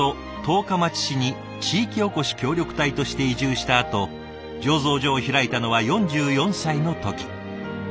十日町市に地域おこし協力隊として移住したあと醸造所を開いたのは４４歳の時。